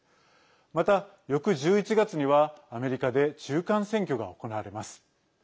また、翌１１月にはアメリカで中間選挙が行われます。